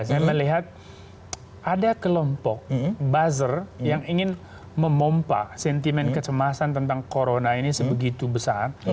saya melihat ada kelompok buzzer yang ingin memompa sentimen kecemasan tentang corona ini sebegitu besar